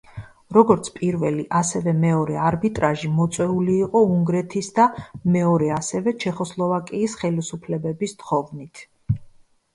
როგორც პირველი ასევევ მეორე არბიტრაჟი მოწვეული იყო უნგრეთის და მეორე ასევე, ჩეხოსლოვაკიის ხელისუფლებების თხოვნით.